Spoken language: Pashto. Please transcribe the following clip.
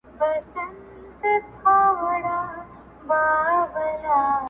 چي نه زر لرې نه مال وي نه آسونه!!..